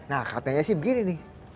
nah katanya sih begini nih